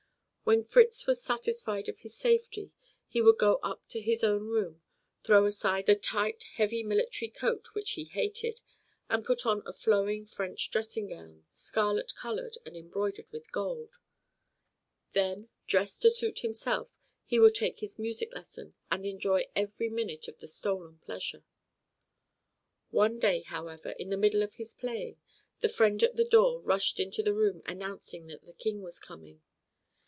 When Fritz was satisfied of his safety, he would go up to his own room, throw aside the tight, heavy military coat which he hated, and put on a flowing French dressing gown, scarlet colored, and embroidered with gold. Then, dressed to suit himself, he would take his music lesson, and enjoy every minute of the stolen pleasure. One day, however, in the middle of his playing, the friend at the door rushed into the room announcing that the King was coming.